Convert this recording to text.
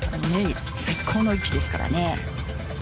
最高の位置ですからね。